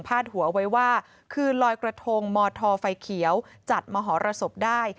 หัวไว้ว่าคืนลอยกระทงมธไฟเขียวจัดมหรสบได้